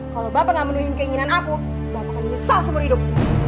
kalau bapak gak menuhin keinginan aku bapak akan nyesal seumur hidup